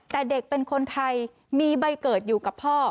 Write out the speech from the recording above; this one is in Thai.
แต่เด็กเป็นคนไทยมีใบเกิดอยู่กับพ่อ